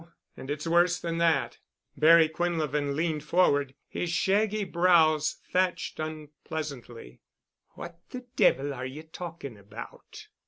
And it's worse than that." Barry Quinlevin leaned forward, his shaggy brows thatched unpleasantly. "What the devil are ye talking about?"